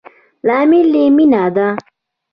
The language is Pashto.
لامل يي مينه ده